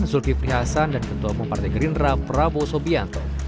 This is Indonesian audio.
zulkifli hasan dan ketua umum partai gerindra prabowo subianto